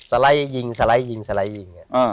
ไลด์ยิงสไลด์ยิงสไลด์ยิง